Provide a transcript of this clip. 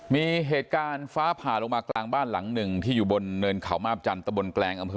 มีเหตุการณ์ฟ้าผ่าลงมากลางบ้านหลังหนึ่งที่อยู่บนเนินเขามาบจันทะบนแกลงอำเภอ